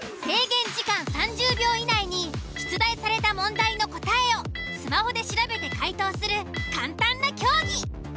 制限時間３０秒以内に出題された問題の答えをスマホで調べて解答する簡単な競技。